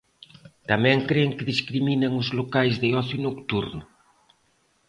Tamén cren que discriminan os locais de ocio nocturno.